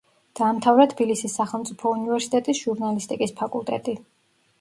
დაამთავრა თბილისის სახელმწიფო უნივერსიტეტის ჟურნალისტიკის ფაკულტეტი.